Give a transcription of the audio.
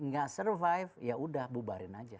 gak survive ya udah bubarin aja